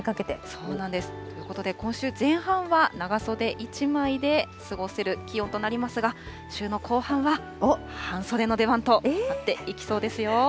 そうなんです、ということで、今週前半は長袖１枚で過ごせる気温となりますが、週の後半は、半袖の出番となっていきそうですよ。